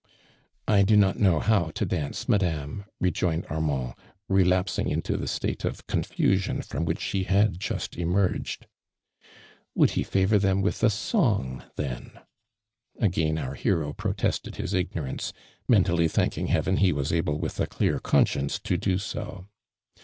" I do not know how to dance, Madame," rejoineil Armand, relapsing into the state of confusion from which ho had just emerg ed. •' Would ho favor them with a song then ?" Again our hero protested his ignorance, mentally thanking Heaven he was able with a clear conscience to do so.